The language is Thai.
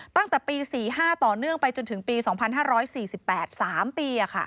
ตั้งแต่ปี๔๕ต่อเนื่องไปจนถึงปี๒๕๔๘๓ปี